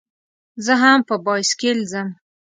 زه هم په بایسکل ځم.